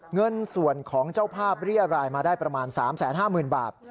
เงินส่วนของเจ้าภาพเรียรายมาได้ประมาณ๓๕๐๐๐บาท